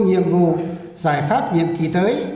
nhiệm vụ giải pháp việc kỳ tới